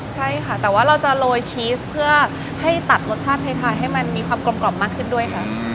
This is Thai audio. ใช่ค่ะแต่ว่าเราจะโรยชีสเพื่อให้ตัดรสชาติไทยให้มันมีความกลมกล่อมมากขึ้นด้วยค่ะ